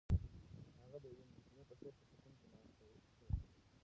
هغه د یوې مجسمې په څېر په سکون کې ناسته ده.